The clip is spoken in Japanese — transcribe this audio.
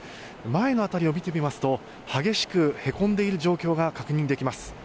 前の辺りを見てみますと激しくへこんでいる状況が確認できます。